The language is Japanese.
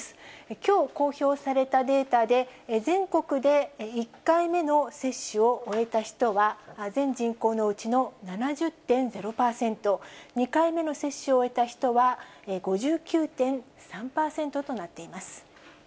きょう公表されたデータで、全国で１回目の接種を終えた人は、全人口のうちの７０．０％、２回目の接種を終えた人は、５９．３％となっています。